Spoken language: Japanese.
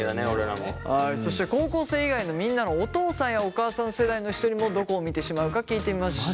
はいそして高校生以外のみんなのお父さんやお母さん世代の人にもどこを見てしまうか聞いてみました。